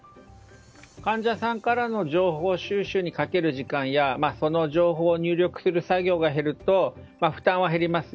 患者さんからの情報収集にかける時間やその情報を入力する作業が減ると負担は減ります。